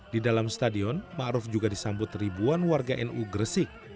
di dalam stadion maruf juga disambut ribuan warga nu gresik